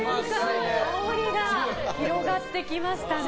香りが広がってきましたね。